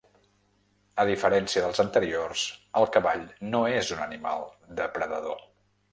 A diferència dels anteriors, el cavall no és un animal depredador.